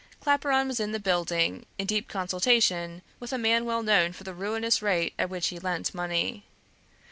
Claparon was in the building, in deep consultation with a man well known for the ruinous rate at which he lent money.